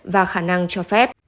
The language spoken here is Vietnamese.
và khả năng cho phép